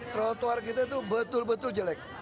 trotoar kita itu betul betul jelek